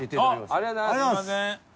ありがとうございます！